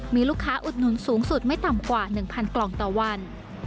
มีลูกค้าอุดหนุนสูงสุดไม่ต่ำกว่า๑๐๐กล่องต่อวัน